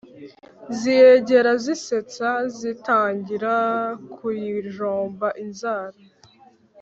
ziyegera zisetsa zitangira kuyijomba inzara.